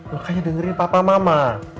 makanya dengerin papa mama